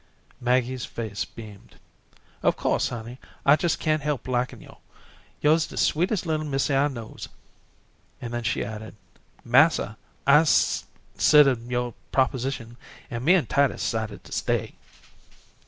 Maggie's face beamed. "Of cou'se, honey, I jes' kan't help likin' yo'. Yo'se de sweetest little missy I knows," and then she added: "Massa, I'se 'sidered yore proposition, an' me an' Titus 'cided to stay."